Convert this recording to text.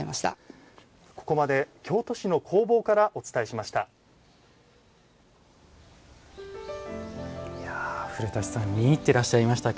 ここまで京都市の工房からお伝えしました。